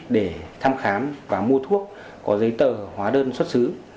để thăm khám và mua thuốc có giấy tờ hóa đơn xuất xứ